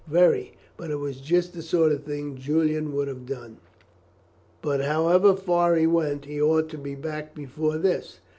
"Very; but it was just the sort of thing Julian would have done." "But, however far he went, he ought to be back before this."